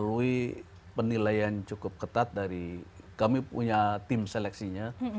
melalui penilaian cukup ketat dari kami punya tim seleksinya